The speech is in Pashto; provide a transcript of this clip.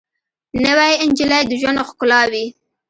نوې نجلۍ د ژوند ښکلا وي